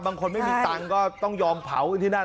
ไม่มีตังค์ก็ต้องยอมเผากันที่นั่น